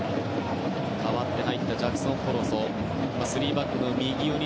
代わって入ったジャクソン・ポロソが３バックの右。